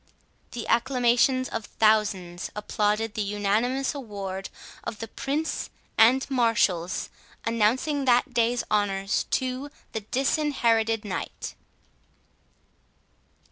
The acclamations of thousands applauded the unanimous award of the Prince and marshals, announcing that day's honours to the Disinherited Knight.